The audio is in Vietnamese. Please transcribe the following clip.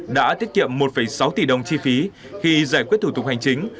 đã tiết kiệm một sáu tỷ đồng chi phí khi giải quyết thủ tục hành chính